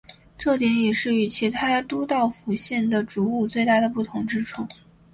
这点也是与其他都道府县的煮物最大的不同之处。